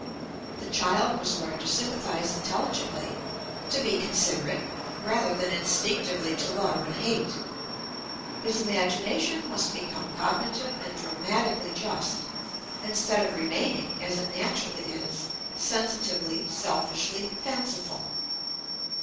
The child must learn to sympathise intelligently, to be considerate, rather than instinctively to love and hate: his imagination must become cognitive and dramatically just, instead of remaining, as it naturally is, sensitively, selfishly fanciful.